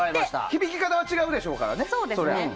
響き方は違うでしょうからね。